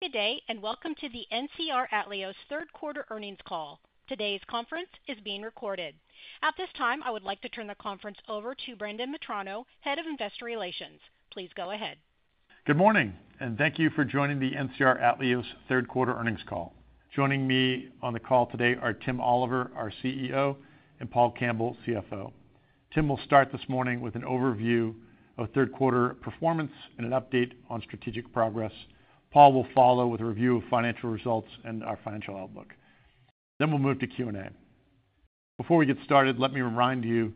Good day, and welcome to the NCR Atleos third quarter earnings call. Today's conference is being recorded. At this time, I would like to turn the conference over to Brendan Metrano, Head of Investor Relations. Please go ahead. Good morning, and thank you for joining the NCR Atleos Third Quarter Earnings Call. Joining me on the call today are Tim Oliver, our CEO, and Paul Campbell, CFO. Tim will start this morning with an overview of third quarter performance and an update on strategic progress. Paul will follow with a review of financial results and our financial outlook. Then we'll move to Q&A. Before we get started, let me remind you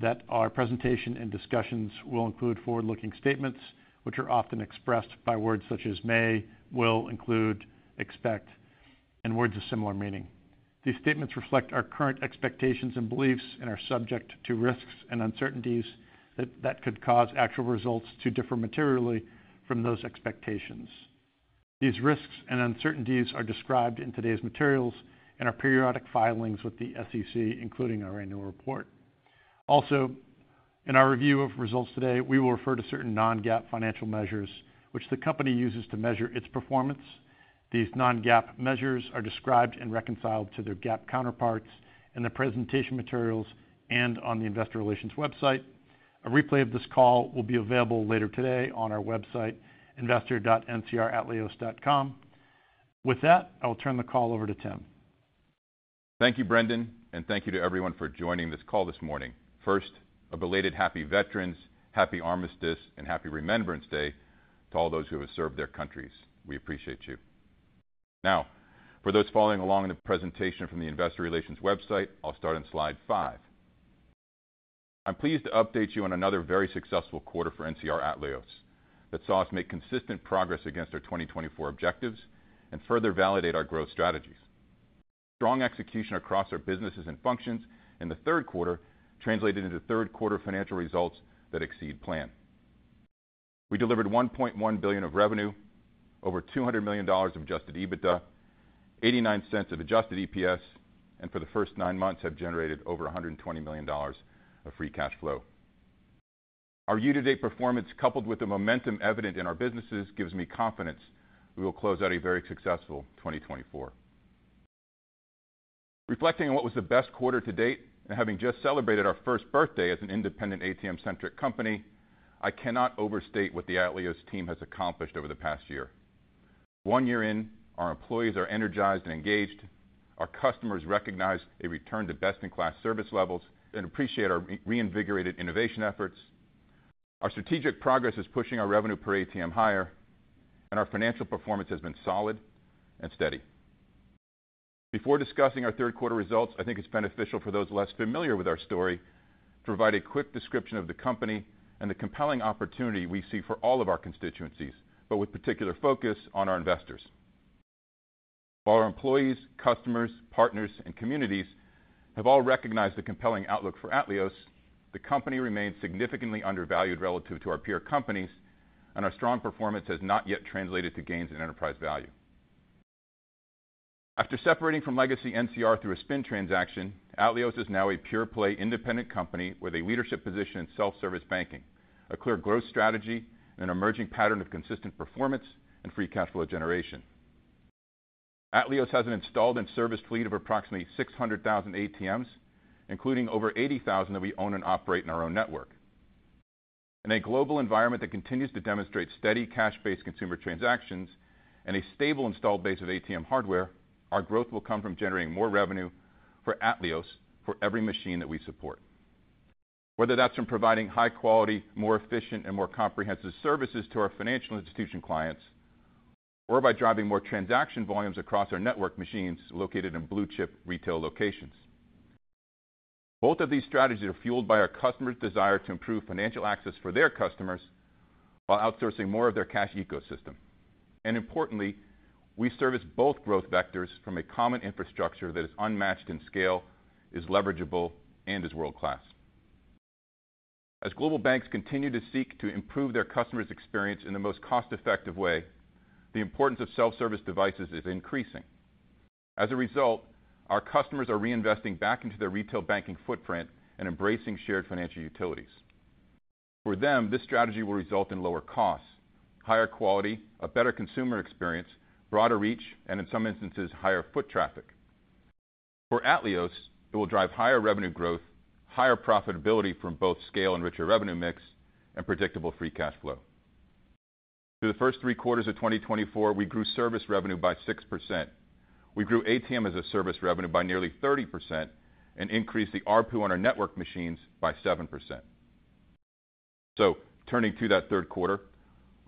that our presentation and discussions will include forward-looking statements, which are often expressed by words such as may, will, include, expect, and words of similar meaning. These statements reflect our current expectations and beliefs and are subject to risks and uncertainties that could cause actual results to differ materially from those expectations. These risks and uncertainties are described in today's materials and our periodic filings with the SEC, including our annual report. Also, in our review of results today, we will refer to certain non-GAAP financial measures, which the company uses to measure its performance. These non-GAAP measures are described and reconciled to their GAAP counterparts in the presentation materials and on the Investor Relations website. A replay of this call will be available later today on our website, investor.ncratleos.com. With that, I will turn the call over to Tim. Thank you, Brendan, and thank you to everyone for joining this call this morning. First, a belated Happy Veterans, Happy Armistice, and Happy Remembrance Day to all those who have served their countries. We appreciate you. Now, for those following along in the presentation from the Investor Relations website, I'll start on slide five. I'm pleased to update you on another very successful quarter for NCR Atleos that saw us make consistent progress against our 2024 objectives and further validate our growth strategies. Strong execution across our businesses and functions in the third quarter translated into third quarter financial results that exceed planned. We delivered $1.1 billion of revenue, over $200 million of adjusted EBITDA, $0.89 of adjusted EPS, and for the first nine months have generated over $120 million of free cash flow. Our year-to-date performance, coupled with the momentum evident in our businesses, gives me confidence we will close out a very successful 2024. Reflecting on what was the best quarter to date and having just celebrated our first birthday as an independent ATM-centric company, I cannot overstate what the Atleos team has accomplished over the past year. One year in, our employees are energized and engaged. Our customers recognize a return to best-in-class service levels and appreciate our reinvigorated innovation efforts. Our strategic progress is pushing our revenue per ATM higher, and our financial performance has been solid and steady. Before discussing our third quarter results, I think it's beneficial for those less familiar with our story to provide a quick description of the company and the compelling opportunity we see for all of our constituencies, but with particular focus on our investors. While our employees, customers, partners, and communities have all recognized the compelling outlook for Atleos, the company remains significantly undervalued relative to our peer companies, and our strong performance has not yet translated to gains in enterprise value. After separating from legacy NCR through a spin transaction, Atleos is now a pure-play independent company with a leadership position in self-service banking, a clear growth strategy, and an emerging pattern of consistent performance and free cash flow generation. Atleos has an installed and serviced fleet of approximately 600,000 ATMs, including over 80,000 that we own and operate in our own network. In a global environment that continues to demonstrate steady cash-based consumer transactions and a stable installed base of ATM hardware, our growth will come from generating more revenue for Atleos for every machine that we support. Whether that's from providing high-quality, more efficient, and more comprehensive services to our financial institution clients, or by driving more transaction volumes across our network machines located in blue-chip retail locations. Both of these strategies are fueled by our customers' desire to improve financial access for their customers while outsourcing more of their cash ecosystem. And importantly, we service both growth vectors from a common infrastructure that is unmatched in scale, is leverageable, and is world-class. As global banks continue to seek to improve their customers' experience in the most cost-effective way, the importance of self-service devices is increasing. As a result, our customers are reinvesting back into their retail banking footprint and embracing shared financial utilities. For them, this strategy will result in lower costs, higher quality, a better consumer experience, broader reach, and in some instances, higher foot traffic. For Atleos, it will drive higher revenue growth, higher profitability from both scale and richer revenue mix, and predictable free cash flow. Through the first three quarters of 2024, we grew service revenue by 6%. We grew ATM as a Service revenue by nearly 30% and increased the ARPU on our network machines by 7%. So, turning to that third quarter,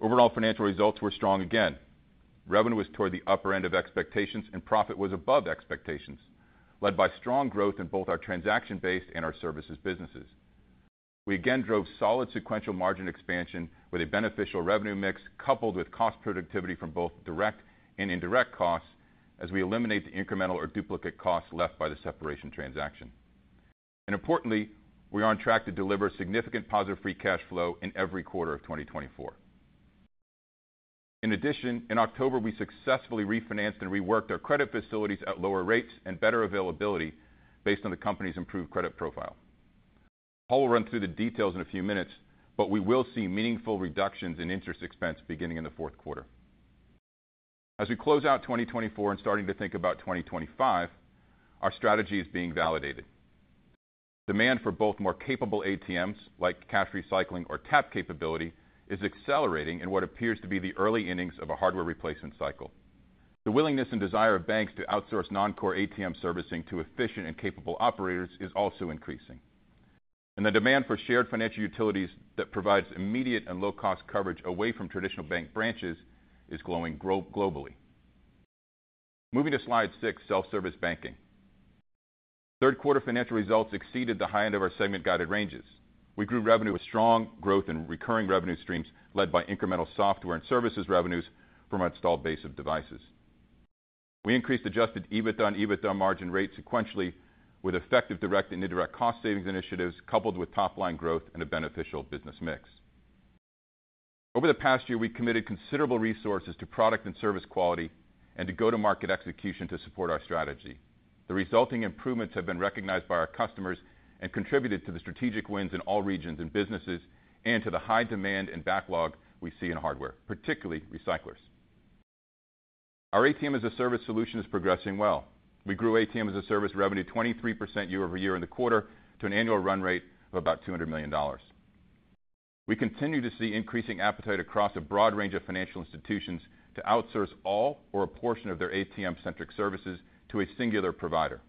overall financial results were strong again. Revenue was toward the upper end of expectations, and profit was above expectations, led by strong growth in both our transaction-based and our services businesses. We again drove solid sequential margin expansion with a beneficial revenue mix coupled with cost productivity from both direct and indirect costs as we eliminate the incremental or duplicate costs left by the separation transaction. And importantly, we are on track to deliver significant positive free cash flow in every quarter of 2024. In addition, in October, we successfully refinanced and reworked our credit facilities at lower rates and better availability based on the company's improved credit profile. Paul will run through the details in a few minutes, but we will see meaningful reductions in interest expense beginning in the fourth quarter. As we close out 2024 and starting to think about 2025, our strategy is being validated. Demand for both more capable ATMs, like cash recycling or tap capability, is accelerating in what appears to be the early innings of a hardware replacement cycle. The willingness and desire of banks to outsource non-core ATM servicing to efficient and capable operators is also increasing, and the demand for shared financial utilities that provides immediate and low-cost coverage away from traditional bank branches is growing globally. Moving to slide six, self-service banking. Third quarter financial results exceeded the high end of our segment-guided ranges. We grew revenue with strong growth and recurring revenue streams led by incremental software and services revenues from our installed base of devices. We increased Adjusted EBITDA and EBITDA margin rate sequentially with effective direct and indirect cost savings initiatives coupled with top-line growth and a beneficial business mix. Over the past year, we committed considerable resources to product and service quality and to go-to-market execution to support our strategy. The resulting improvements have been recognized by our customers and contributed to the strategic wins in all regions and businesses and to the high demand and backlog we see in hardware, particularly recyclers. Our ATM as a Service solution is progressing well. We grew ATM as a Service revenue 23% year over year in the quarter to an annual run rate of about $200 million. We continue to see increasing appetite across a broad range of financial institutions to outsource all or a portion of their ATM-centric services to a singular provider.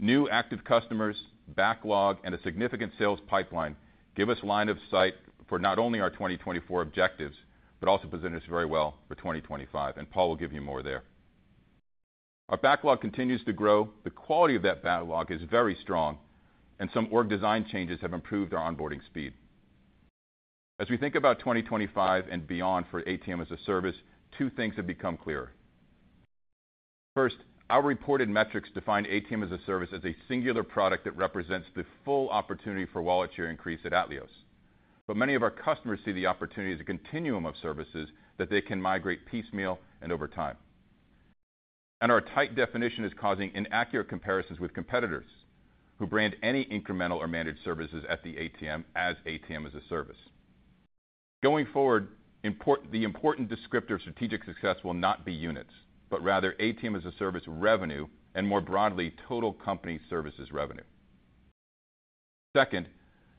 New active customers, backlog, and a significant sales pipeline give us line of sight for not only our 2024 objectives, but also present us very well for 2025, and Paul will give you more there. Our backlog continues to grow. The quality of that backlog is very strong, and some org design changes have improved our onboarding speed. As we think about 2025 and beyond for ATM as a Service, two things have become clearer. First, our reported metrics define ATM as a Service as a singular product that represents the full opportunity for wallet share increase at Atleos, but many of our customers see the opportunity as a continuum of services that they can migrate piecemeal and over time. And our tight definition is causing inaccurate comparisons with competitors who brand any incremental or managed services at the ATM as ATM as a Service. Going forward, the important descriptor of strategic success will not be units, but rather ATM as a Service revenue and more broadly, total company services revenue. Second,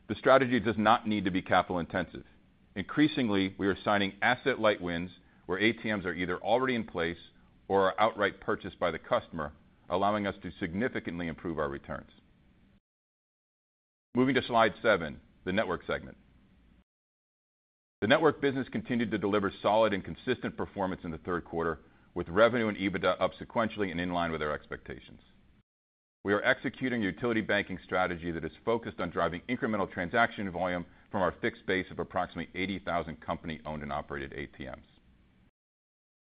the strategy does not need to be capital-intensive. Increasingly, we are signing asset-light wins where ATMs are either already in place or are outright purchased by the customer, allowing us to significantly improve our returns. Moving to slide seven, the network segment. The network business continued to deliver solid and consistent performance in the third quarter, with revenue and EBITDA up sequentially and in line with our expectations. We are executing a utility banking strategy that is focused on driving incremental transaction volume from our fixed base of approximately 80,000 company-owned and operated ATMs.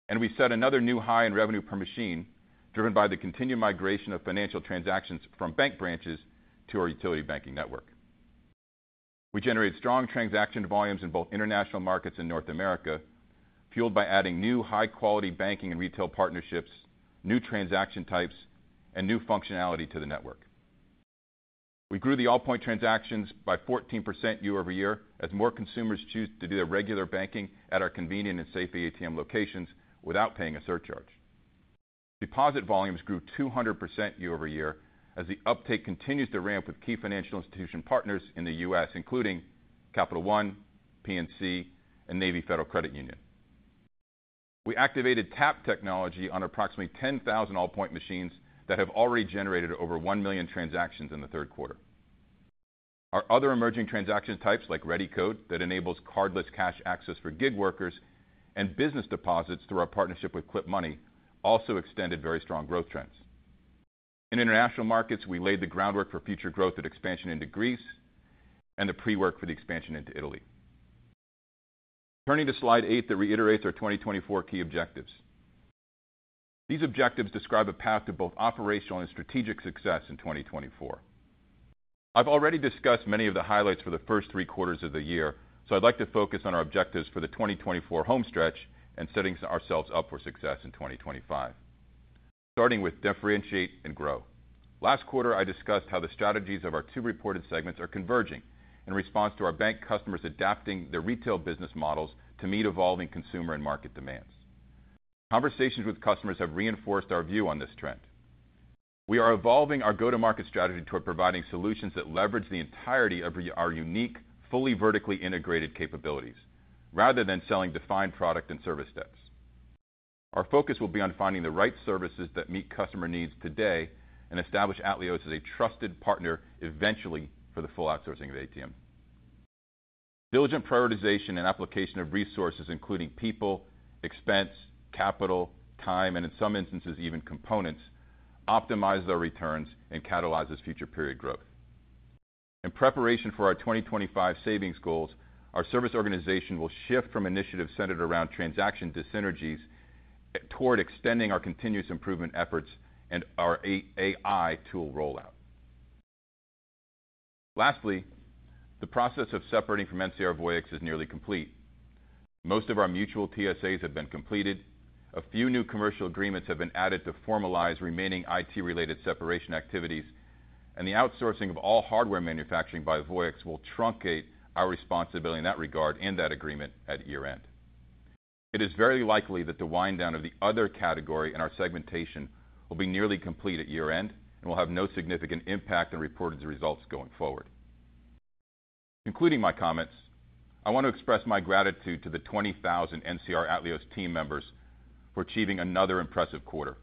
And we set another new high in revenue per machine, driven by the continued migration of financial transactions from bank branches to our utility banking network. We generated strong transaction volumes in both international markets and North America, fueled by adding new high-quality banking and retail partnerships, new transaction types, and new functionality to the network. We grew the Allpoint transactions by 14% year over year as more consumers choose to do their regular banking at our convenient and safe ATM locations without paying a surcharge. Deposit volumes grew 200% year over year as the uptake continues to ramp with key financial institution partners in the U.S., including Capital One, PNC, and Navy Federal Credit Union. We activated tap technology on approximately 10,000 Allpoint machines that have already generated over 1 million transactions in the third quarter. Our other emerging transaction types, like ReadyCode that enables cardless cash access for gig workers, and business deposits through our partnership with Clip Money, also extended very strong growth trends. In international markets, we laid the groundwork for future growth and expansion into Greece and the pre-work for the expansion into Italy. Turning to slide eight that reiterates our 2024 key objectives. These objectives describe a path to both operational and strategic success in 2024. I've already discussed many of the highlights for the first three quarters of the year, so I'd like to focus on our objectives for the 2024 home stretch and setting ourselves up for success in 2025, starting with differentiate and grow. Last quarter, I discussed how the strategies of our two reported segments are converging in response to our bank customers adapting their retail business models to meet evolving consumer and market demands. Conversations with customers have reinforced our view on this trend. We are evolving our go-to-market strategy toward providing solutions that leverage the entirety of our unique, fully vertically integrated capabilities, rather than selling defined product and service steps. Our focus will be on finding the right services that meet customer needs today and establish Atleos as a trusted partner eventually for the full outsourcing of ATM. Diligent prioritization and application of resources, including people, expense, capital, time, and in some instances, even components, optimize our returns and catalyze future period growth. In preparation for our 2025 savings goals, our service organization will shift from initiatives centered around transaction synergies toward extending our continuous improvement efforts and our AI tool rollout. Lastly, the process of separating from NCR Voyix is nearly complete. Most of our mutual TSAs have been completed. A few new commercial agreements have been added to formalize remaining IT-related separation activities, and the outsourcing of all hardware manufacturing by Voyix will truncate our responsibility in that regard and that agreement at year-end. It is very likely that the wind-down of the other category in our segmentation will be nearly complete at year-end and will have no significant impact on reported results going forward. Concluding my comments, I want to express my gratitude to the 20,000 NCR Atleos team members for achieving another impressive quarter,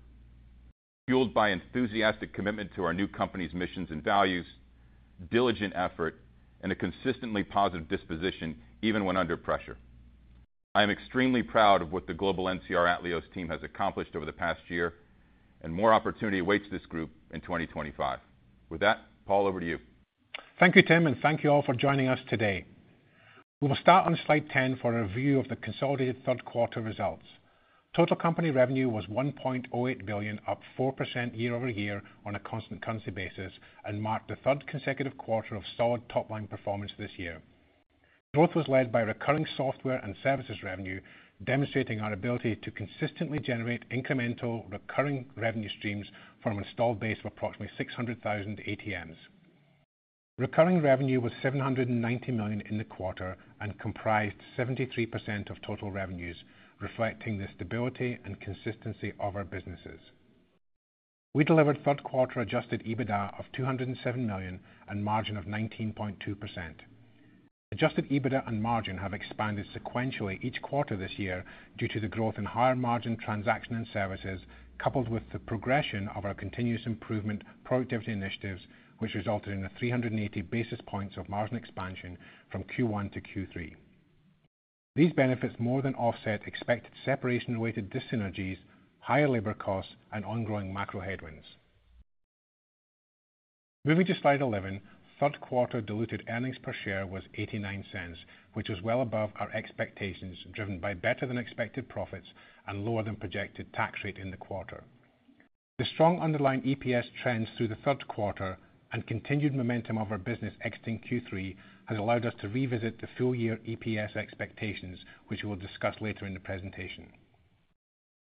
fueled by enthusiastic commitment to our new company's missions and values, diligent effort, and a consistently positive disposition, even when under pressure. I am extremely proud of what the global NCR Atleos team has accomplished over the past year, and more opportunity awaits this group in 2025. With that, Paul, over to you. Thank you, Tim, and thank you all for joining us today. We will start on slide 10 for a review of the consolidated third-quarter results. Total company revenue was $1.08 billion, up 4% year over year on a constant currency basis, and marked the third consecutive quarter of solid top-line performance this year. Growth was led by recurring software and services revenue, demonstrating our ability to consistently generate incremental recurring revenue streams from an installed base of approximately 600,000 ATMs. Recurring revenue was $790 million in the quarter and comprised 73% of total revenues, reflecting the stability and consistency of our businesses. We delivered third-quarter adjusted EBITDA of $207 million and margin of 19.2%. Adjusted EBITDA and margin have expanded sequentially each quarter this year due to the growth in higher margin transaction and services, coupled with the progression of our continuous improvement productivity initiatives, which resulted in a 380 basis points of margin expansion from Q1 to Q3. These benefits more than offset expected separation-related synergies, higher labor costs, and ongoing macro headwinds. Moving to slide 11, third-quarter diluted earnings per share was $0.89, which was well above our expectations, driven by better-than-expected profits and lower-than-projected tax rate in the quarter. The strong underlying EPS trends through the third quarter and continued momentum of our business exiting Q3 have allowed us to revisit the full-year EPS expectations, which we will discuss later in the presentation.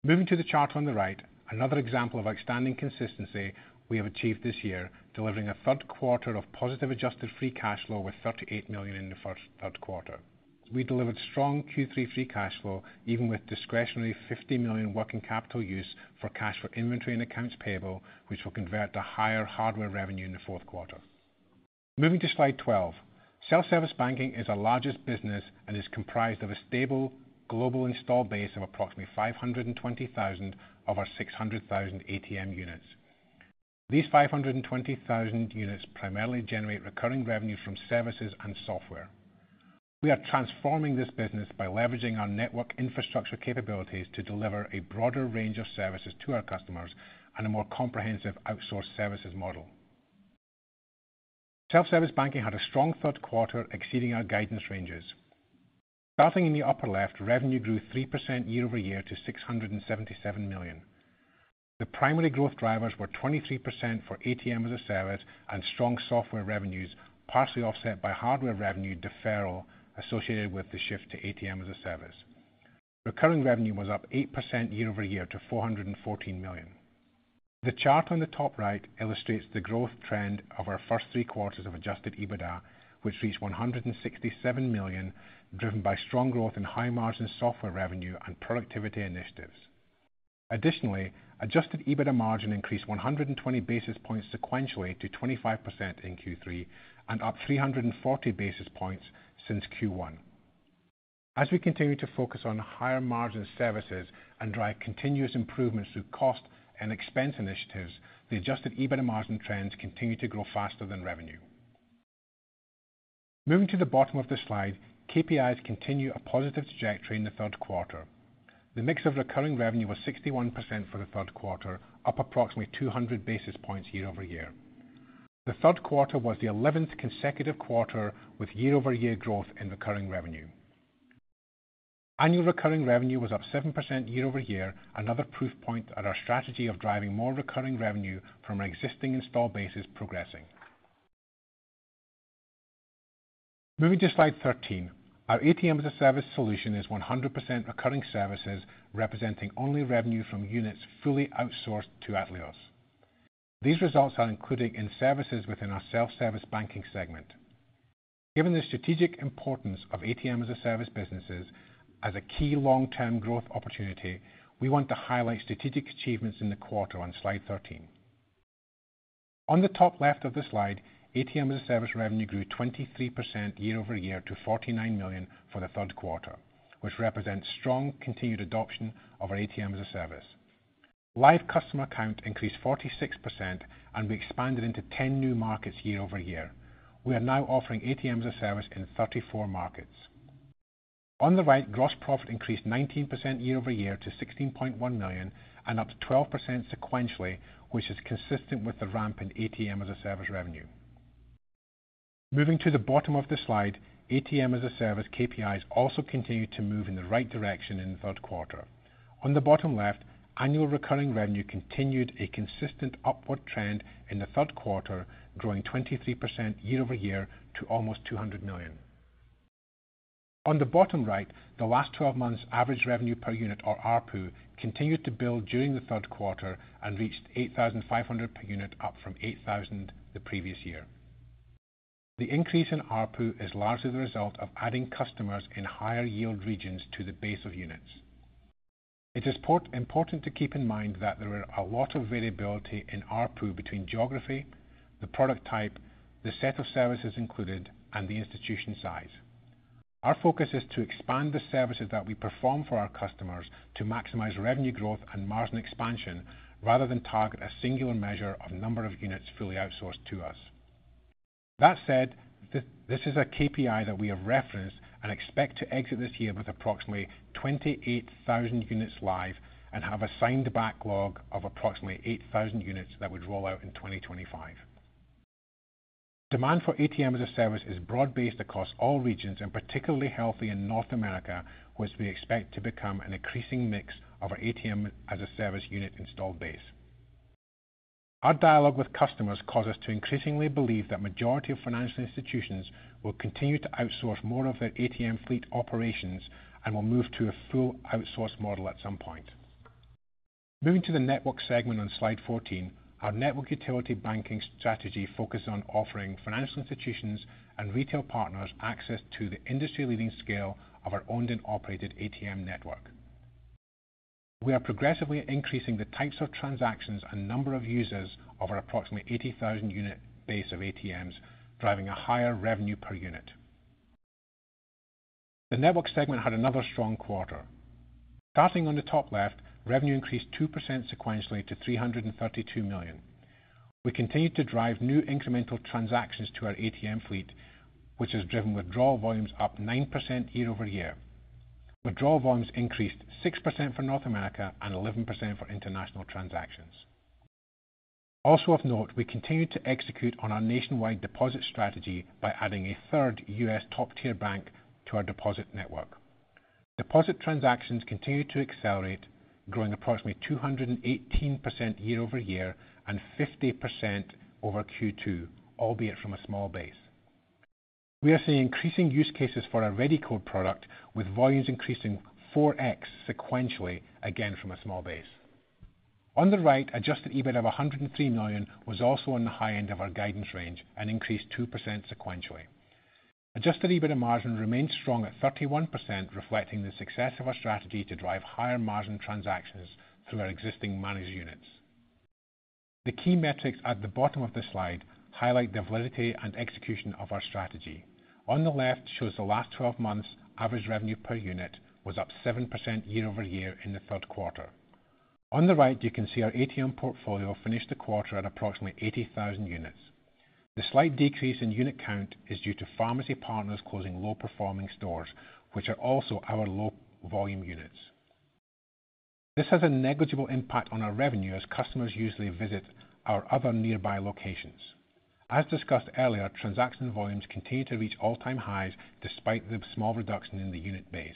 Moving to the chart on the right, another example of outstanding consistency we have achieved this year, delivering a third quarter of positive adjusted free cash flow with $38 million in the first third quarter. We delivered strong Q3 free cash flow, even with discretionary $50 million working capital use for cash for inventory and accounts payable, which will convert to higher hardware revenue in the fourth quarter. Moving to slide 12, self-service banking is our largest business and is comprised of a stable global installed base of approximately 520,000 of our 600,000 ATM units. These 520,000 units primarily generate recurring revenue from services and software. We are transforming this business by leveraging our network infrastructure capabilities to deliver a broader range of services to our customers and a more comprehensive outsourced services model. Self-service banking had a strong third quarter, exceeding our guidance ranges. Starting in the upper left, revenue grew 3% year over year to $677 million. The primary growth drivers were 23% for ATM as a Service and strong software revenues, partially offset by hardware revenue deferral associated with the shift to ATM as a service. Recurring revenue was up 8% year over year to $414 million. The chart on the top right illustrates the growth trend of our first three quarters of adjusted EBITDA, which reached $167 million, driven by strong growth in high-margin software revenue and productivity initiatives. Additionally, adjusted EBITDA margin increased 120 basis points sequentially to 25% in Q3 and up 340 basis points since Q1. As we continue to focus on higher margin services and drive continuous improvements through cost and expense initiatives, the adjusted EBITDA margin trends continue to grow faster than revenue. Moving to the bottom of the slide, KPIs continue a positive trajectory in the third quarter. The mix of recurring revenue was 61% for the third quarter, up approximately 200 basis points year over year. The third quarter was the 11th consecutive quarter with year-over-year growth in recurring revenue. Annual recurring revenue was up 7% year over year, another proof point at our strategy of driving more recurring revenue from our existing installed bases progressing. Moving to slide 13, our ATM as a Service solution is 100% recurring services, representing only revenue from units fully outsourced to Atleos. These results are included in services within our self-service banking segment. Given the strategic importance of ATM as a Service businesses as a key long-term growth opportunity, we want to highlight strategic achievements in the quarter on slide 13. On the top left of the slide, ATM as a Service revenue grew 23% year over year to $49 million for the third quarter, which represents strong continued adoption of our ATM as a Service. Live customer count increased 46%, and we expanded into 10 new markets year over year. We are now offering ATM as a Service in 34 markets. On the right, gross profit increased 19% year over year to $16.1 million and up 12% sequentially, which is consistent with the ramp in ATM as a Service revenue. Moving to the bottom of the slide, ATM as a Service KPIs also continued to move in the right direction in the third quarter. On the bottom left, annual recurring revenue continued a consistent upward trend in the third quarter, growing 23% year over year to almost $200 million. On the bottom right, the last 12 months' average revenue per unit, or ARPU, continued to build during the third quarter and reached 8,500 per unit, up from 8,000 the previous year. The increase in ARPU is largely the result of adding customers in higher yield regions to the base of units. It is important to keep in mind that there is a lot of variability in ARPU between geography, the product type, the set of services included, and the institution size. Our focus is to expand the services that we perform for our customers to maximize revenue growth and margin expansion, rather than target a singular measure of number of units fully outsourced to us. That said, this is a KPI that we have referenced and expect to exit this year with approximately 28,000 units live and have a signed backlog of approximately 8,000 units that would roll out in 2025. Demand for ATM as a Service is broad-based across all regions and particularly healthy in North America, which we expect to become an increasing mix of our ATM as a Service unit installed base. Our dialogue with customers caused us to increasingly believe that the majority of financial institutions will continue to outsource more of their ATM fleet operations and will move to a full outsource model at some point. Moving to the network segment on slide 14, our network utility banking strategy focuses on offering financial institutions and retail partners access to the industry-leading scale of our owned and operated ATM network. We are progressively increasing the types of transactions and number of users of our approximately 80,000 unit base of ATMs, driving a higher revenue per unit. The network segment had another strong quarter. Starting on the top left, revenue increased 2% sequentially to $332 million. We continued to drive new incremental transactions to our ATM fleet, which has driven withdrawal volumes up 9% year over year. Withdrawal volumes increased 6% for North America and 11% for international transactions. Also of note, we continue to execute on our nationwide deposit strategy by adding a third U.S. top-tier bank to our deposit network. Deposit transactions continue to accelerate, growing approximately 218% year over year and 50% over Q2, albeit from a small base. We are seeing increasing use cases for our ReadyCode product, with volumes increasing 4X sequentially, again from a small base. On the right, Adjusted EBITDA of $103 million was also on the high end of our guidance range and increased 2% sequentially. Adjusted EBITDA margin remains strong at 31%, reflecting the success of our strategy to drive higher margin transactions through our existing managed units. The key metrics at the bottom of the slide highlight the validity and execution of our strategy. On the left shows the last 12 months' average revenue per unit was up 7% year over year in the third quarter. On the right, you can see our ATM portfolio finished the quarter at approximately 80,000 units. The slight decrease in unit count is due to pharmacy partners closing low-performing stores, which are also our low-volume units. This has a negligible impact on our revenue as customers usually visit our other nearby locations. As discussed earlier, transaction volumes continue to reach all-time highs despite the small reduction in the unit base.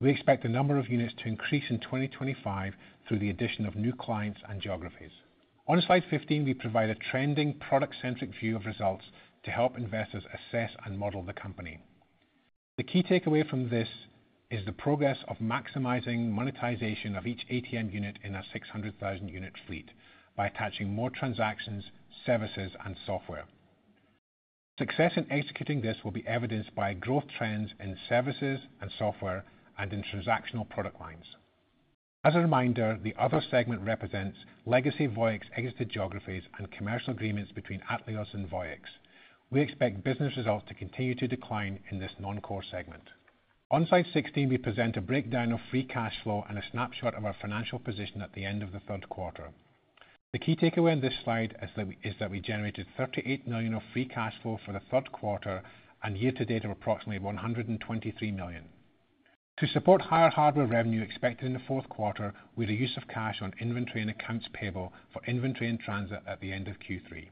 We expect the number of units to increase in 2025 through the addition of new clients and geographies. On slide 15, we provide a trending product-centric view of results to help investors assess and model the company. The key takeaway from this is the progress of maximizing monetization of each ATM unit in our 600,000 unit fleet by attaching more transactions, services, and software. Success in executing this will be evidenced by growth trends in services and software and in transactional product lines. As a reminder, the other segment represents legacy Voyix exited geographies and commercial agreements between Atleos and Voyix. We expect business results to continue to decline in this non-core segment. On slide 16, we present a breakdown of free cash flow and a snapshot of our financial position at the end of the third quarter. The key takeaway on this slide is that we generated $38 million of free cash flow for the third quarter and year-to-date of approximately $123 million. To support higher hardware revenue expected in the fourth quarter, we had a use of cash on inventory and accounts payable for inventory and transit at the end of Q3.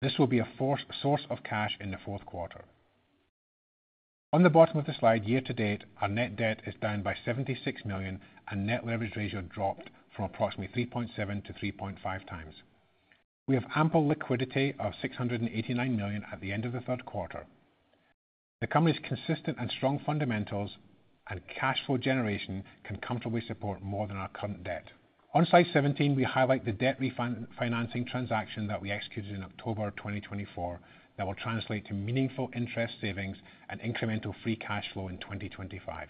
This will be a source of cash in the fourth quarter. On the bottom of the slide, year-to-date, our net debt is down by $76 million and net leverage ratio dropped from approximately 3.7 to 3.5x. We have ample liquidity of $689 million at the end of the third quarter. The company's consistent and strong fundamentals and cash flow generation can comfortably support more than our current debt. On slide 17, we highlight the debt refinancing transaction that we executed in October 2024 that will translate to meaningful interest savings and incremental free cash flow in 2025.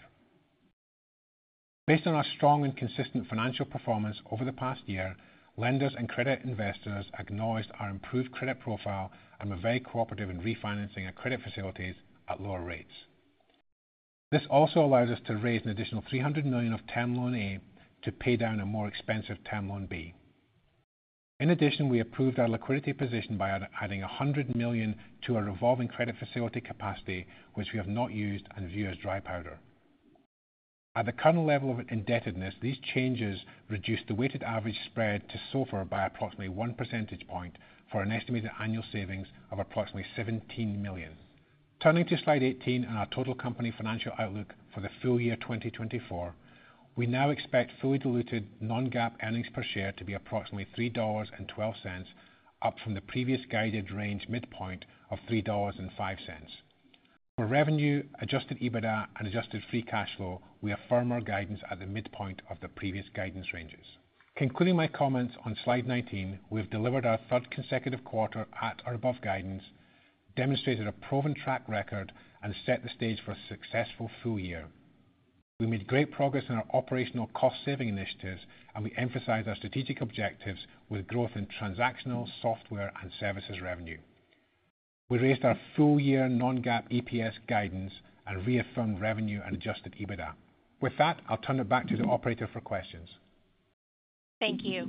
Based on our strong and consistent financial performance over the past year, lenders and credit investors acknowledged our improved credit profile and were very cooperative in refinancing our credit facilities at lower rates. This also allows us to raise an additional $300 million of Term Loan A to pay down a more expensive Term Loan B. In addition, we improved our liquidity position by adding $100 million to our revolving credit facility capacity, which we have not used and view as dry powder. At the current level of indebtedness, these changes reduce the weighted average spread to SOFR by approximately 1 percentage point for an estimated annual savings of approximately $17 million. Turning to slide 18 and our total company financial outlook for the full year 2024, we now expect fully diluted Non-GAAP earnings per share to be approximately $3.12, up from the previous guided range midpoint of $3.05. For revenue, Adjusted EBITDA, and Adjusted Free Cash Flow, we affirm our guidance at the midpoint of the previous guidance ranges. Concluding my comments on slide 19, we have delivered our third consecutive quarter at or above guidance, demonstrated a proven track record, and set the stage for a successful full year. We made great progress in our operational cost-saving initiatives, and we emphasize our strategic objectives with growth in transactional, software, and services revenue. We raised our full-year Non-GAAP EPS guidance and reaffirmed revenue and Adjusted EBITDA. With that, I'll turn it back to the operator for questions. Thank you.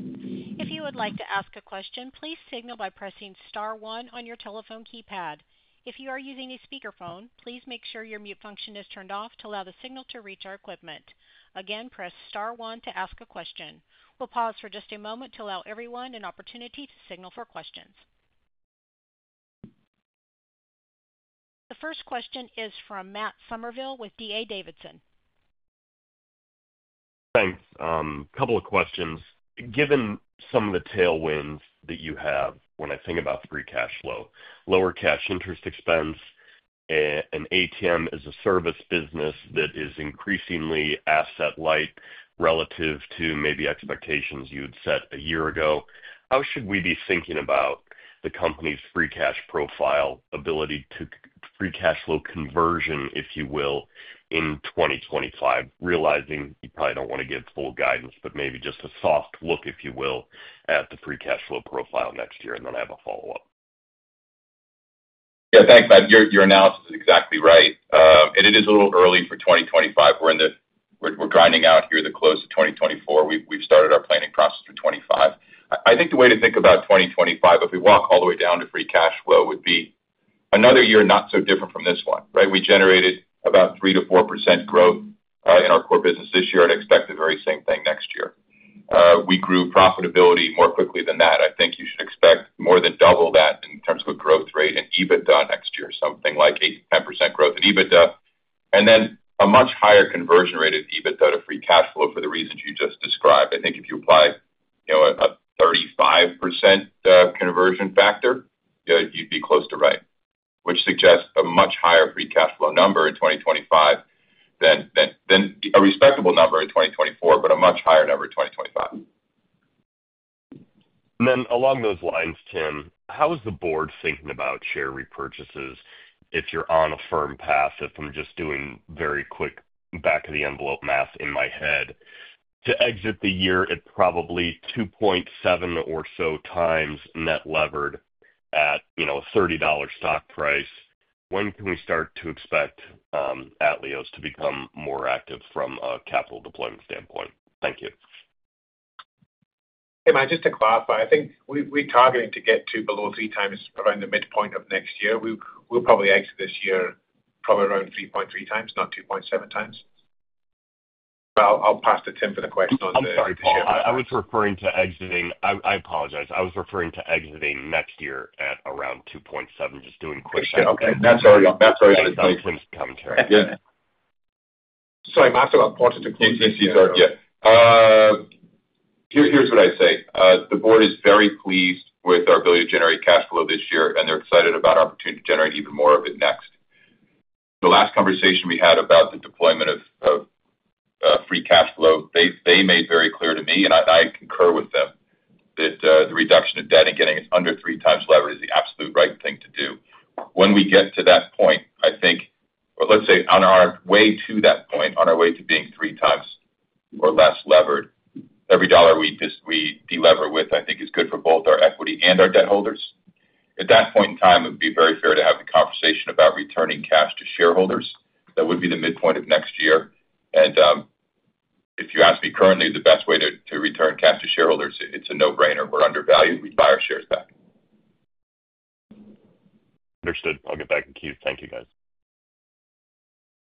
If you would like to ask a question, please signal by pressing star one on your telephone keypad. If you are using a speakerphone, please make sure your mute function is turned off to allow the signal to reach our equipment. Again, press star one to ask a question. We'll pause for just a moment to allow everyone an opportunity to signal for questions. The first question is from Matt Summerville with D.A. Davidson. Thanks. A couple of questions. Given some of the tailwinds that you have when I think about free cash flow, lower cash interest expense, and ATM as a Service business that is increasingly asset-light relative to maybe expectations you'd set a year ago, how should we be thinking about the company's free cash profile ability to free cash flow conversion, if you will, in 2025? Realizing you probably don't want to give full guidance, but maybe just a soft look, if you will, at the free cash flow profile next year, and then I have a follow-up. Yeah, thanks. Your analysis is exactly right. It is a little early for 2025. We're grinding out here to close out 2024. We've started our planning process for 2025. I think the way to think about 2025, if we walk all the way down to free cash flow, would be another year not so different from this one, right? We generated about 3%-4% growth in our core business this year and expect the very same thing next year. We grew profitability more quickly than that. I think you should expect more than double that in terms of growth rate and EBITDA next year, something like 8%-10% growth in EBITDA. And then a much higher conversion rate of EBITDA to free cash flow for the reasons you just described. I think if you apply a 35% conversion factor, you'd be close to right, which suggests a much higher free cash flow number in 2025 than a respectable number in 2024, but a much higher number in 2025. And then along those lines. Tim, how is the board thinking about share repurchases if you're on a firm path from just doing very quick back-of-the-envelope math in my head to exit the year at probably 2.7 or so times net leverage at a $30 stock price? When can we start to expect Atleos to become more active from a capital deployment standpoint? Thank you. H Hey, Matt, just to clarify, I think we're targeting to get to below three times around the midpoint of next year. We'll probably exit this year probably around 3.3x, not 2.7x. I'll pass to Tim for the question on the share price. I'm sorry. I was referring to exiting. I apologize. I was referring to exiting next year at around 2.7, just doing quick share price. Okay. That's all right. That's all right. I didn't mean to come to you. Sorry, Matt, I'll pause it to close this easier. Yeah. Here's what I'd say. The board is very pleased with our ability to generate cash flow this year, and they're excited about our opportunity to generate even more of it next. The last conversation we had about the deployment of free cash flow, they made very clear to me, and I concur with them, that the reduction of debt and getting it under three times levered is the absolute right thing to do. When we get to that point, I think, let's say on our way to that point, on our way to being three times or less levered, every dollar we delever with, I think, is good for both our equity and our debt holders. At that point in time, it would be very fair to have the conversation about returning cash to shareholders. That would be the midpoint of next year. And if you ask me currently, the best way to return cash to shareholders, it's a no-brainer. We're undervalued. We'd buy our shares back. Understood. I'll get back in queue. Thank you, guys.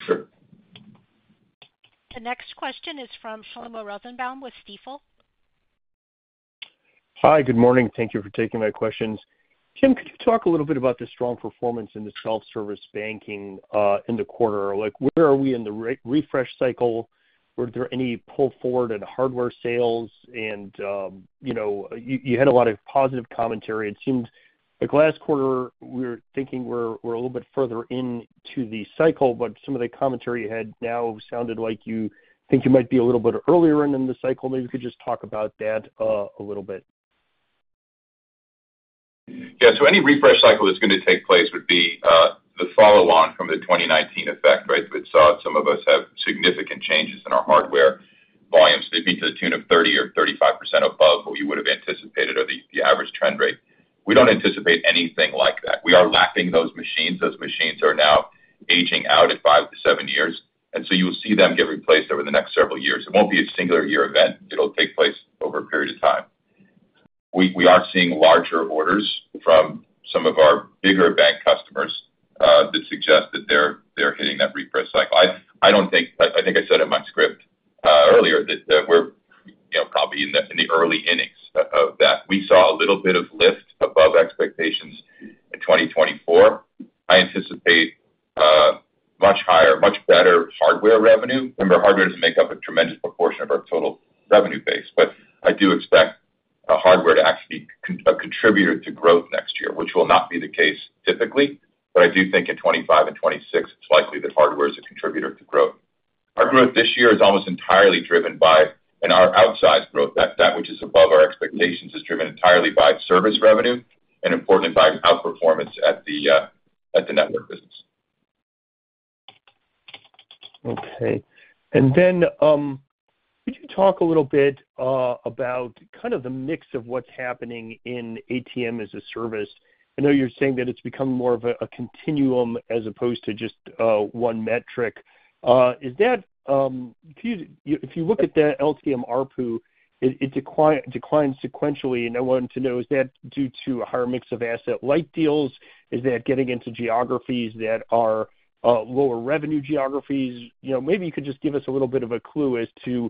Sure. The next question is from Shlomo Rosenbaum with Stifel. Hi, good morning. Thank you for taking my questions. Tim, could you talk a little bit about the strong performance in the self-service banking in the quarter? Where are we in the refresh cycle? Were there any pull forward in hardware sales, and you had a lot of positive commentary. It seems like last quarter, we were thinking we're a little bit further into the cycle, but some of the commentary you had now sounded like you think you might be a little bit earlier in the cycle. Maybe you could just talk about that a little bit. Yeah. So any refresh cycle that's going to take place would be the follow-on from the 2019 effect, right? We saw some significant changes in our hardware volumes. They'd be to the tune of 30% or 35% above what we would have anticipated or the average trend rate. We don't anticipate anything like that. We are lapping those machines. Those machines are now aging out at five to seven years, and so you'll see them get replaced over the next several years. It won't be a singular year event. It'll take place over a period of time. We are seeing larger orders from some of our bigger bank customers that suggest that they're hitting that refresh cycle. I think I said in my script earlier that we're probably in the early innings of that. We saw a little bit of lift above expectations in 2024. I anticipate much higher, much better hardware revenue. Remember, hardware doesn't make up a tremendous proportion of our total revenue base. But I do expect hardware to actually be a contributor to growth next year, which will not be the case typically. But I do think in 2025 and 2026, it's likely that hardware is a contributor to growth. Our growth this year is almost entirely driven by our outsized growth. That which is above our expectations is driven entirely by service revenue and, importantly, by outperformance at the network business. Okay. And then could you talk a little bit about kind of the mix of what's happening in ATM as a Service? I know you're saying that it's become more of a continuum as opposed to just one metric. If you look at the LCM ARPU, it declines sequentially. And I wanted to know, is that due to a higher mix of asset-light deals? Is that getting into geographies that are lower revenue geographies? Maybe you could just give us a little bit of a clue as to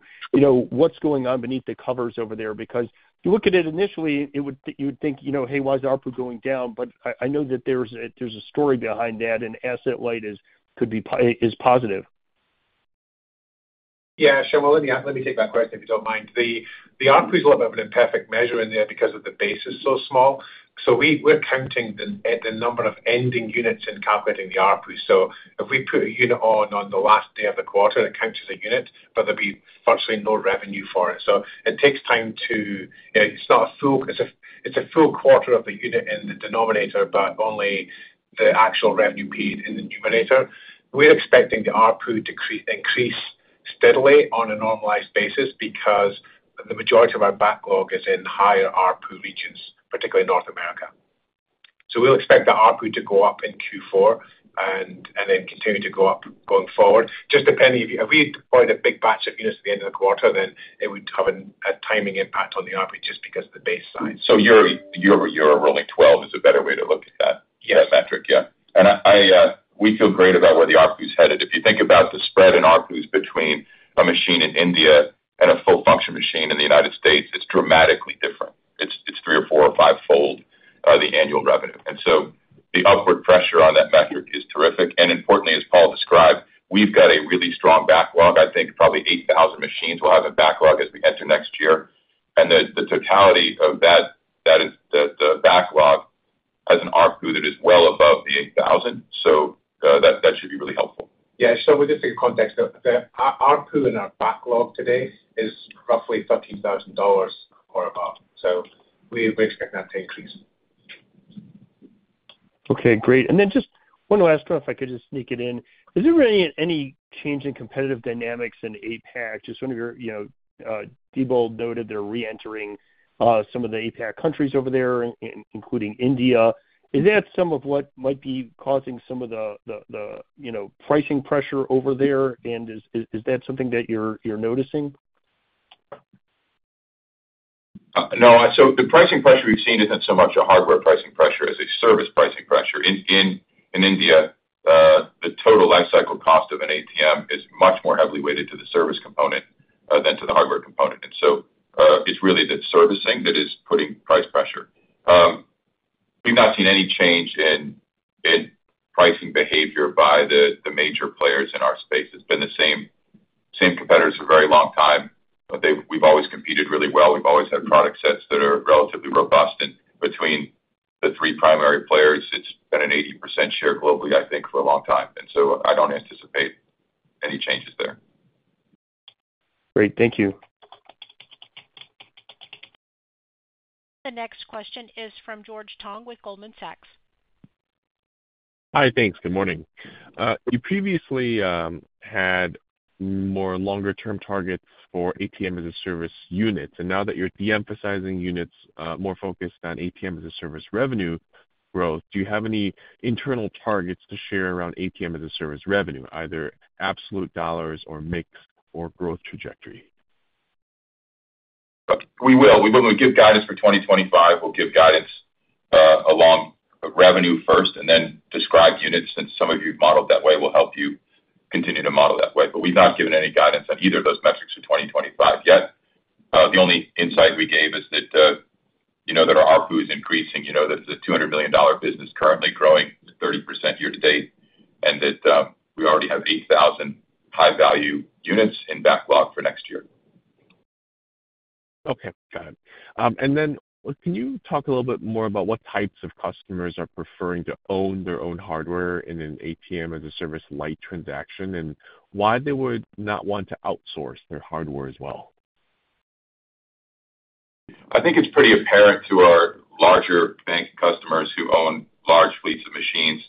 what's going on beneath the covers over there because you look at it initially, you would think, "Hey, why is ARPU going down?" But I know that there's a story behind that, and asset-light could be positive. Yeah. Sure. Let me take that question if you don't mind. The ARPU is a little bit of an imperfect measure in there because the base is so small. We're counting the number of ending units in calculating the ARPU. If we put a unit on the last day of the quarter, it counts as a unit, but there'll be virtually no revenue for it. It takes time to. It's not a full quarter of the unit in the denominator, but only the actual revenue paid in the numerator. We're expecting the ARPU to increase steadily on a normalized basis because the majority of our backlog is in higher ARPU regions, particularly North America. We'll expect the ARPU to go up in Q4 and then continue to go up going forward. Just depending if we deployed a big batch of units at the end of the quarter, then it would have a timing impact on the ARPU just because of the base size. So your rolling 12 is a better way to look at that metric. Yeah, and we feel great about where the ARPU is headed. If you think about the spread in ARPUs between a machine in India and a full-function machine in the United States, it's dramatically different. It's three or four or five-fold the annual revenue, and so the upward pressure on that metric is terrific. And importantly, as Paul described, we've got a really strong backlog. I think we'll probably have a backlog of 8,000 machines as we enter next year, and the totality of that, the backlog's ARPU, that is well above the 8,000. So that should be really helpful. Yeah. So with this in context, the ARPU in our backlog today is roughly $13,000 or above. So we're expecting that to increase. Okay. Great. And then just one last one, if I could just sneak it in. Is there any change in competitive dynamics in APAC? Just one of your, Diebold, noted they're re-entering some of the APAC countries over there, including India. Is that some of what might be causing some of the pricing pressure over there? And is that something that you're noticing? No. So the pricing pressure we've seen isn't so much a hardware pricing pressure as a service pricing pressure. In India, the total life cycle cost of an ATM is much more heavily weighted to the service component than to the hardware component. And so it's really the servicing that is putting price pressure. We've not seen any change in pricing behavior by the major players in our space. It's been the same competitors for a very long time. We've always competed really well. We've always had product sets that are relatively robust. And between the three primary players, it's been an 80% share globally, I think, for a long time. And so I don't anticipate any changes there. Great. Thank you. The next question is from George Tong with Goldman Sachs. Hi. Thanks. Good morning. You previously had more longer-term targets for ATM as a Service units. And now that you're de-emphasizing units, more focused on ATM as a Service revenue growth, do you have any internal targets to share around ATM as a Service revenue, either absolute dollars or mixed or growth trajectory? We will. We will give guidance for 2025. We'll give guidance along revenue first and then describe units since some of you've modeled that way will help you continue to model that way. But we've not given any guidance on either of those metrics for 2025 yet. The only insight we gave is that our ARPU is increasing, that it's a $200 million business currently growing 30% year to date, and that we already have 8,000 high-value units in backlog for next year. Okay. Got it. And then can you talk a little bit more about what types of customers are preferring to own their own hardware in an ATM as a Service-light transaction and why they would not want to outsource their hardware as well? I think it's pretty apparent to our larger bank customers who own large fleets of machines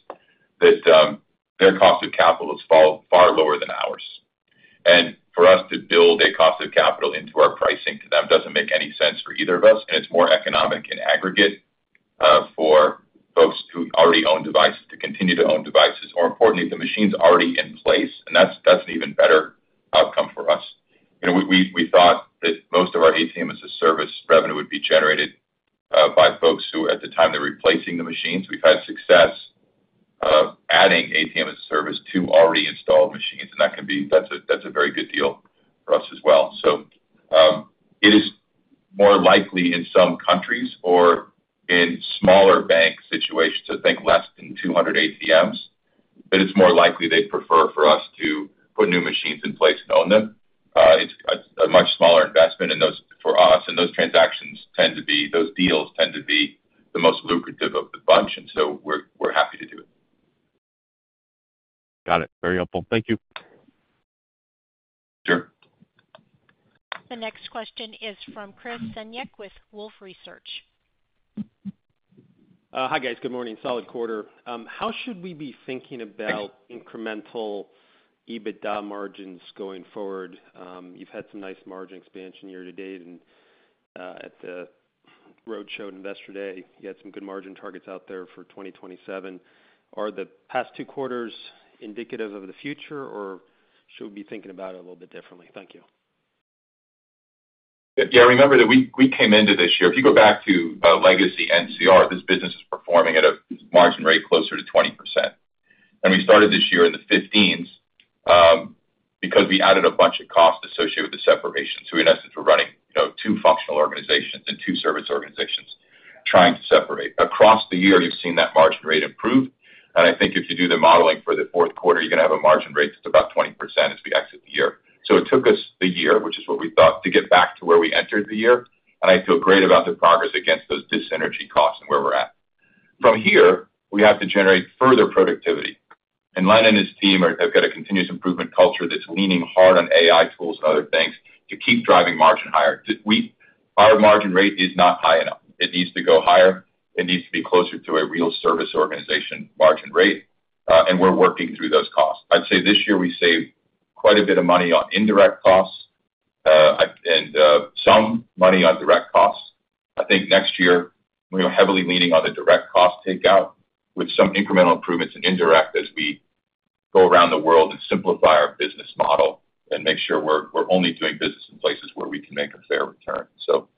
that their cost of capital is far lower than ours. And for us to build a cost of capital into our pricing to them doesn't make any sense for either of us. And it's more economic in aggregate for folks who already own devices to continue to own devices. Or importantly, the machine's already in place, and that's an even better outcome for us. We thought that most of our ATM as a Service revenue would be generated by folks who, at the time they're replacing the machines, we've had success adding ATM as a Service to already installed machines. And that's a very good deal for us as well. So it is more likely in some countries or in smaller bank situations to think less than 200 ATMs, that it's more likely they'd prefer for us to put new machines in place and own them. It's a much smaller investment for us. And those transactions tend to be, those deals tend to be the most lucrative of the bunch. And so we're happy to do it. Got it. Very helpful. Thank you. Sure. The next question is from Chris Senyek with Wolfe Research. Hi, guys. Good morning. Solid quarter. How should we be thinking about incremental EBITDA margins going forward? You've had some nice margin expansion year to date. And at the roadshow at Investor Day, you had some good margin targets out there for 2027. Are the past two quarters indicative of the future, or should we be thinking about it a little bit differently? Thank you. Yeah. Remember that we came into this year, if you go back to legacy NCR, this business is performing at a margin rate closer to 20%. And we started this year in the 15s because we added a bunch of costs associated with the separation. So in essence, we're running two functional organizations and two service organizations trying to separate. Across the year, you've seen that margin rate improve. And I think if you do the modeling for the fourth quarter, you're going to have a margin rate that's about 20% as we exit the year. So it took us the year, which is what we thought, to get back to where we entered the year. And I feel great about the progress against those dis-synergy costs and where we're at. From here, we have to generate further productivity. And Dan and his team have got a continuous improvement culture that's leaning hard on AI tools and other things to keep driving margin higher. Our margin rate is not high enough. It needs to go higher. It needs to be closer to a real service organization margin rate. And we're working through those costs. I'd say this year we saved quite a bit of money on indirect costs and some money on direct costs. I think next year we're heavily leaning on the direct cost takeout with some incremental improvements in indirect as we go around the world and simplify our business model and make sure we're only doing business in places where we can make a fair return. So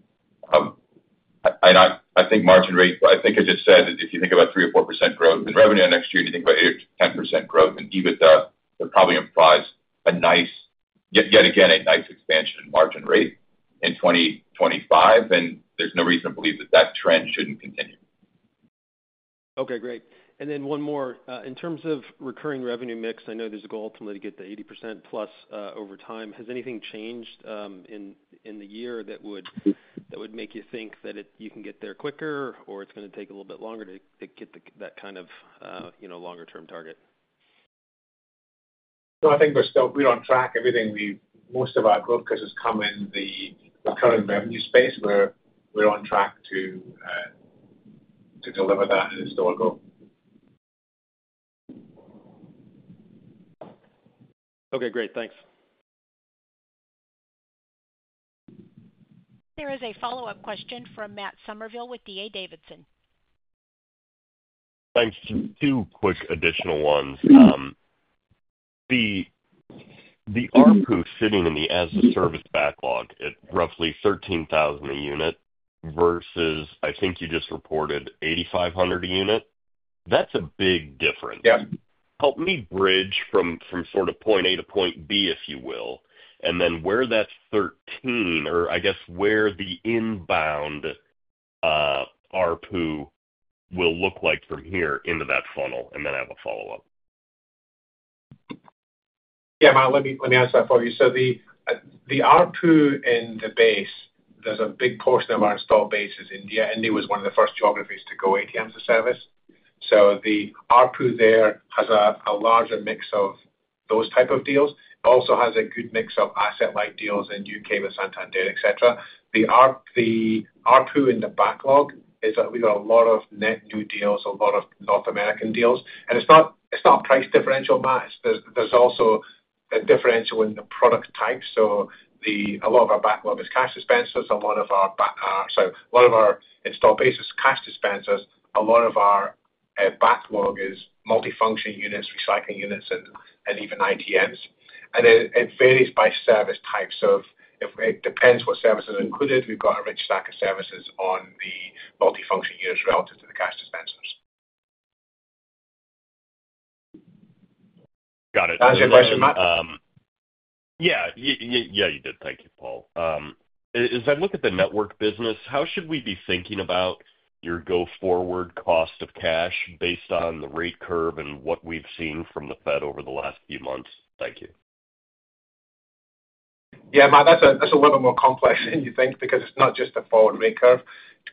I think margin rate, I think I just said that if you think about 3 or 4% growth in revenue next year, you think about 8 or 10% growth in EBITDA, it probably implies a nice, yet again, a nice expansion in margin rate in 2025. And there's no reason to believe that that trend shouldn't continue. Okay. Great. And then one more. In terms of recurring revenue mix, I know there's a goal ultimately to get to 80% plus over time. Has anything changed in the year that would make you think that you can get there quicker, or it's going to take a little bit longer to get that kind of longer-term target? Well, I think we're still on track. Most of our growth has come in the recurring revenue space. We're on track to deliver that and still grow. Okay. Great. Thanks. There is a follow-up question from Matt Summerville with D.A. Davidson. Thanks. Just two quick additional ones. The ARPU sitting in the as-a-service backlog at roughly 13,000 a unit versus, I think you just reported, 8,500 a unit. That's a big difference. Help me bridge from sort of point A to point B, if you will, and then where that 13, or I guess where the inbound ARPU will look like from here into that funnel, and then I have a follow-up. Yeah. Let me ask that for you. So the ARPU in the base, there's a big portion of our installed base is India. India was one of the first geographies to go ATM as a Service. So the ARPU there has a larger mix of those type of deals. It also has a good mix of asset-light deals in UK with Santander, etc. The ARPU in the backlog is that we've got a lot of net new deals, a lot of North American deals. And it's not price differential, Matt. There's also a differential in the product type. So a lot of our backlog is cash dispensers. A lot of our - sorry. A lot of our installed base is cash dispensers. A lot of our backlog is multifunction units, recycling units, and even ITMs. And it varies by service type. So it depends what service is included. We've got a rich stack of services on the multifunction units relative to the cash dispensers. Got it. That answered your question, Matt? Yeah. Yeah. You did. Thank you, Paul. As I look at the network business, how should we be thinking about your go-forward cost of cash based on the rate curve and what we've seen from the Fed over the last few months? Thank you. Yeah. That's a little more complex than you think because it's not just a forward rate curve.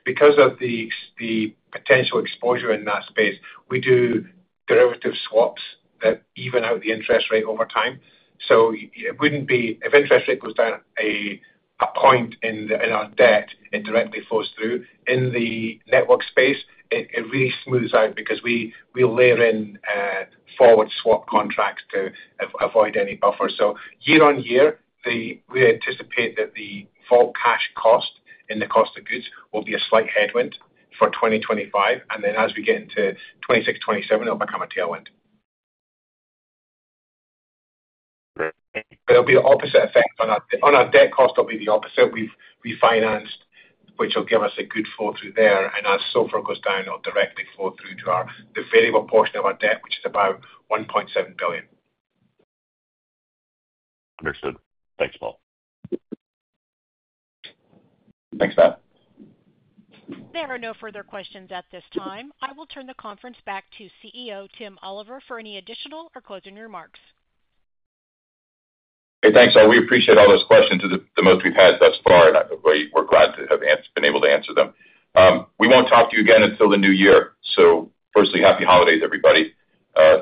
Because of the potential exposure in that space, we do derivative swaps that even out the interest rate over time. So it wouldn't be, if interest rate goes down a point in our debt, it directly flows through. In the network space, it really smooths out because we layer in forward swap contracts to avoid any buffer. So year on year, we anticipate that the vault cash cost in the cost of goods will be a slight headwind for 2025. And then as we get into 2026, 2027, it'll become a tailwind. It'll be the opposite effect. On our debt cost, it'll be the opposite. We've refinanced, which will give us a good flow through there. And as SOFR goes down, it'll directly flow through to the variable portion of our debt, which is about $1.7 billion. Understood. Thanks, Paul. Thanks, Matt. There are no further questions at this time. I will turn the conference back to CEO Tim Oliver for any additional or closing remarks. Hey, thanks, all. We appreciate all those questions to the most we've had thus far, and we're glad to have been able to answer them. We won't talk to you again until the new year. So firstly, happy holidays, everybody.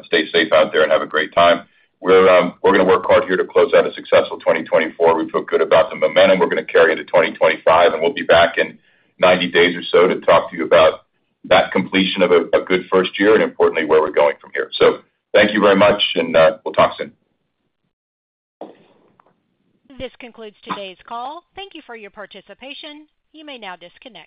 Stay safe out there and have a great time. We're going to work hard here to close out a successful 2024. We feel good about the momentum. We're going to carry into 2025, and we'll be back in 90 days or so to talk to you about that completion of a good first year and, importantly, where we're going from here. So thank you very much, and we'll talk soon. This concludes today's call. Thank you for your participation. You may now disconnect.